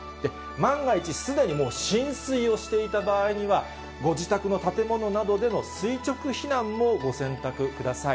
万が一、すでにもう浸水をしていた場合には、ご自宅の建物などでの垂直避難もご選択ください。